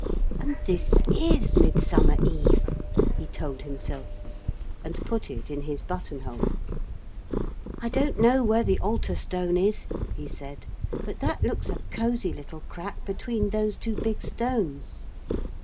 'And this is Midsummer Eve,' he told himself, and put it in his buttonhole. 'I don't know where the altar stone is,' he said, 'but that looks a cosy little crack between those two big stones.'